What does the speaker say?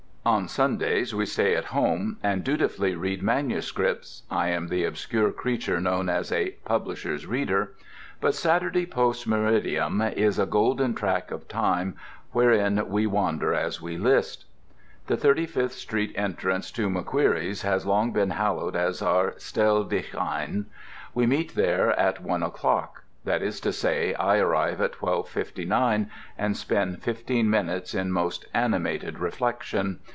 On Sundays we stay at home and dutifully read manuscripts (I am the obscure creature known as a "publisher's reader") but Saturday post meridiem is a golden tract of time wherein we wander as we list. The 35th Street entrance to McQueery's has long been hallowed as our stell dich ein. We meet there at one o'clock. That is to say, I arrive at 12:59 and spend fifteen minutes in most animated reflection.